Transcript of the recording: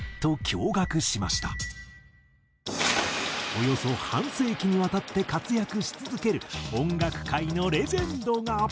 およそ半世紀にわたって活躍し続ける音楽界のレジェンドが。